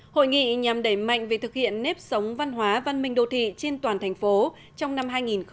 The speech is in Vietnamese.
hội nghị nhằm đẩy mạnh về thực hiện nếp sống văn hóa văn minh đồ thị trên toàn thành phố trong năm hai nghìn một mươi tám